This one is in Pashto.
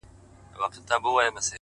• که به دوی هم مهربان هغه زمان سي,